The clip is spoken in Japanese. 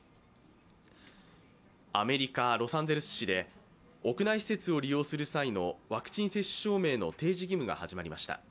アメリカ・ロサンゼルス市で屋内施設を利用する際のワクチン接種証明の提示義務が始まりました。